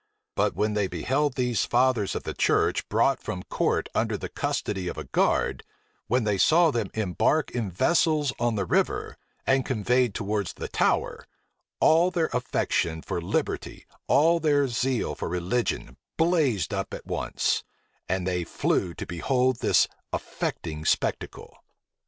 But when they beheld these fathers of the church brought from court under the custody of a guard, when they saw them embark in vessels on the river, and conveyed towards the Tower, all their affection for liberty, all their zeal for religion, blazed up at once; and they flew to behold this affecting spectacle.